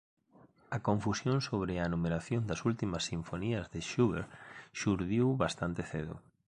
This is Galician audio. A confusión sobre a numeración das últimas sinfonías de Schubert xurdiu bastante cedo.